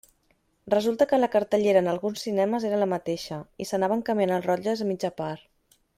Resulta que la cartellera en alguns cinemes era la mateixa, i s'anaven canviant els rotlles a mitja part.